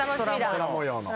空模様の。